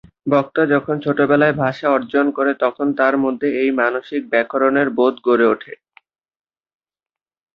বক্তা যখন ছোটবেলায় ভাষা অর্জন করে, তখন তার মধ্যে এই মানসিক ব্যাকরণের বোধ গড়ে ওঠে।